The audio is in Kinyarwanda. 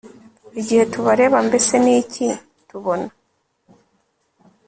Igihe tubareba mbese ni iki tubona